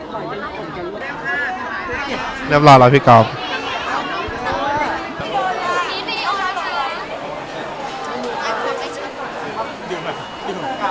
ต้องมีเรื่อยเพราะว่าพูดถึงไกลมา